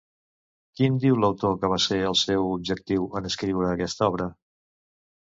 Quin diu l'autor que va ser el seu objectiu en escriure aquesta obra?